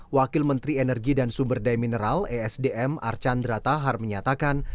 wakil menteri energi dan sumber daya mineral esdm archan drata har menyatakan